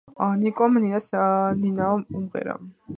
ნიკომ ნინის ნინაო უმღერა